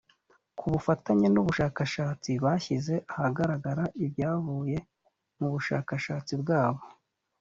ku bufatanye n abashakashatsi bashyize ahagaragara ibyavuye mu bushakashatsi bwabo